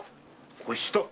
越した？